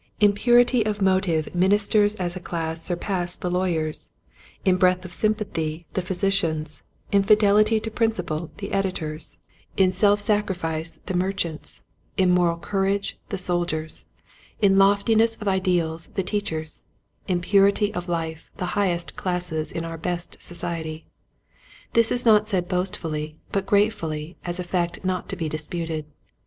In purity of motive ministers as a class surpass the lawyers, in breadth of sympathy the physi cians, in fidelity to principle the editors, in Wherefore All This. 5 self sacrifice the merchants, in moral cour age the soldiers, in loftiness of ideals the teachers, in purity of life the highest classes in our best society. This is not said boastfully but gratefully as a fact not to be disputed.